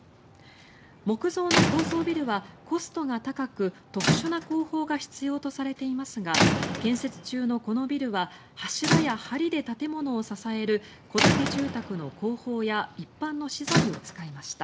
木造の高層ビルはコストが高く特殊な工法が必要とされていますが建設中のこのビルは柱やはりで建物を支える戸建て住宅の工法や一般の資材を使いました。